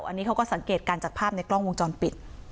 อันนี้เขาก็สังเกตกันจากภาพในกล้องวงจรปิด